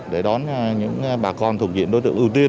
để đón những bà con thuộc diện đối tượng ưu tiên